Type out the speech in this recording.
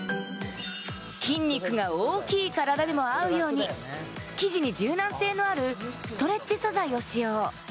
筋肉が大きい体でも合うように生地に柔軟性のあるストレッチ素材を使用。